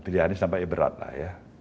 pilih anies sampai berat lah ya